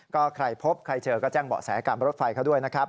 ก็ใครพบใครเจอก็แจ้งเบาะแสการรถไฟเขาด้วยนะครับ